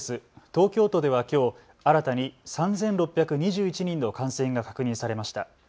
東京都ではきょう新たに３６２１人の感染が確認されました。